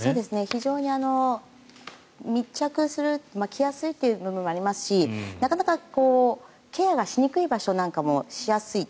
非常に密着する着やすいという部分もありますしなかなかケアがしにくい場所なんかもしやすい。